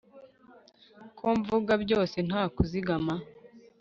ko mvuga byose nta kuzigama